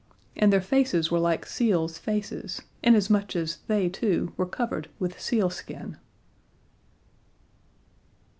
And their faces were like seals' faces, inasmuch as they, too, were covered with sealskin.